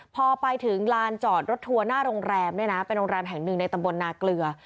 พอไปถึงลานจอดรถทัวร์หน้าโรงแรมเนี่ยนะเป็นโรงแรมแห่งหนึ่งในตำบลนาเกลือ